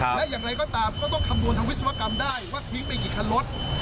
และอย่างไรก็ตามก็ต้องคำนวณทางวิศวกรรมได้ว่าทิ้งไปกี่คันรถ